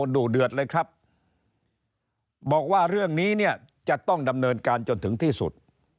ดูเดือดเลยครับบอกว่าเรื่องนี้เนี่ยจะต้องดำเนินการจนถึงที่สุด